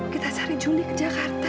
kita cari juli ke jakarta